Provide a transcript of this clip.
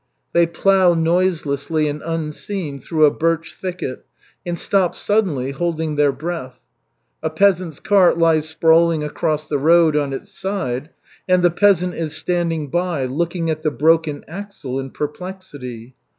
They plough noiselessly and unseen through a birch thicket, and stop suddenly, holding their breath. A peasant's cart lies sprawling across the road on its side, and the peasant is standing by, looking at the broken axle in perplexity.